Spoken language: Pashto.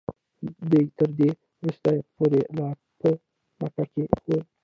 دی تر دې وروستیو پورې لا په مکه کې و.